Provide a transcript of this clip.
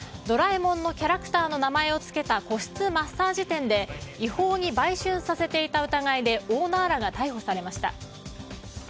「ドラえもん」のキャラクターの名前をつけた個室マッサージ店で違法に売春させていた疑いでオーナーらが逮捕されました。